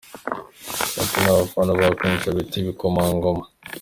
Aba ni abafana ba Queen Cha bitwa "Ibikomangoma".